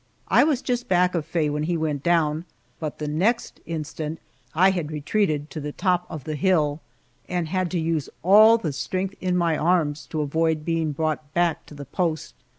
I was just back of Faye when he went down, but the next instant I had retreated to the top of the hill, and had to use all the strength in my arms to avoid being brought back to the post.